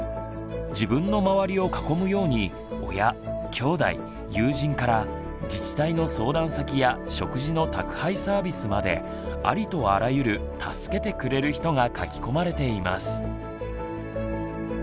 自分の周りを囲むように親きょうだい友人から自治体の相談先や食事の宅配サービスまでありとあらゆる「助けてくれる人」が書き込まれています。